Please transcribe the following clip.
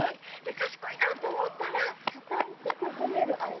◆賢いなと思ったらたたいて、これ褒める合図。